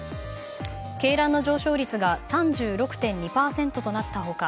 鶏卵の上昇率が３６．２％となった他